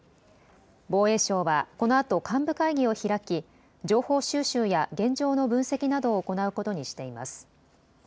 防衛省はこのあと幹部会議を開き情報収集や現場の分析などを行うことにしています。